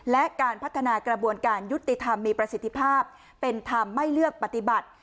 และการพัฒนากระบวนการยุติธรรมมีประสิทธิภาพเป็นธรรมไม่เลือกปฏิบัติ